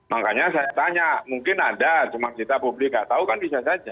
makanya saya tanya mungkin ada cuma kita publik nggak tahu kan bisa saja